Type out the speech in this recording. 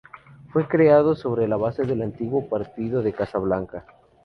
Fue creado sobre la base del antiguo Partido de Casablanca.